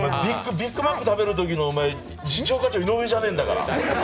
ビッグマック食べるときの次長課長の井上じゃねえんだから。